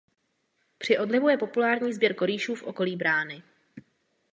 Při odlivu je populární sběr korýšů v okolí brány.